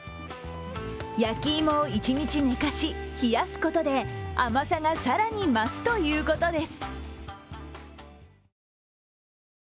焼き芋を一日寝かし冷やすことで、甘さが更に増すということです。